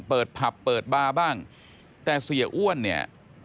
ผับเปิดบาร์บ้างแต่เสียอ้วนเนี่ย